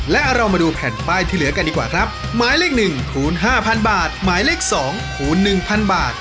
และเรามาดูแผ่นป้ายที่เหลือกันดีกว่าครับหมายเลข๑คูณ๕๐๐๐บาทหมายเลข๒คูณ๑๐๐๐บาท